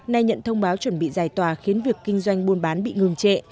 nay nhận thông báo chuẩn bị giải tòa khiến việc kinh doanh buôn bán bị ngừng trệ